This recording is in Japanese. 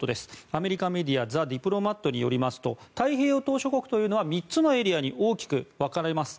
アメリカメディア「ザ・ディプロマット」によりますと太平洋島しょ国というのは３つのエリアに大きく分かれます。